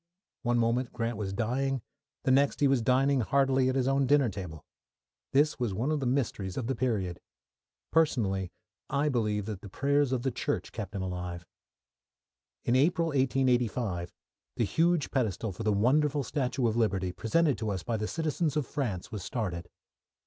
One moment Grant was dying, the next he was dining heartily at his own dinner table. This was one of the mysteries of the period. Personally, I believe the prayers of the Church kept him alive. In April, 1885, the huge pedestal for the wonderful statue of Liberty, presented to us by the citizens of France, was started.